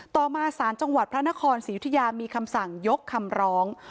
ต่อมาสารจังหวัดพระนครศรียุธยามีคำสั่งยกคำร้อง